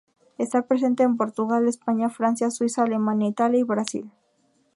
Está presente en Portugal, España, Francia, Suiza, Alemania, Italia y Brasil.